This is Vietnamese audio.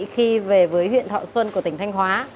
khi về với huyện thọ xuân của tỉnh thanh hóa